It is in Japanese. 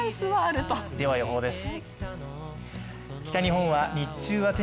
では、予報です。